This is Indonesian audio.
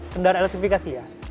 kendaraan elektrifikasi ya